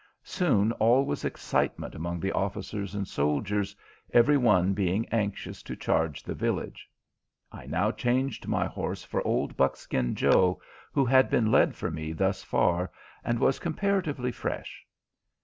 Soon all was excitement among the officers and soldiers, every one being anxious to charge the village. I now changed my horse for old Buckskin Joe, who had been led for me thus far, and was comparatively fresh.